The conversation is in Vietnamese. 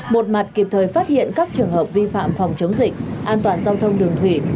một mặt kịp thời phát hiện các trường hợp vi phạm phòng chống dịch an toàn giao thông đường thủy